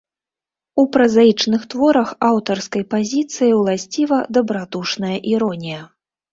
У празаічных творах аўтарскай пазіцыі ўласціва дабрадушная іронія.